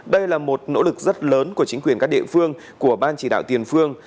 đây là một nỗ lực rất lớn của chính quyền các địa phương của ban chỉ đạo tiền phương